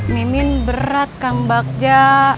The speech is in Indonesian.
mimin berat kang bagja